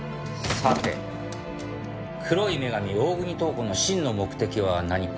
さて黒い女神大國塔子の真の目的は何か？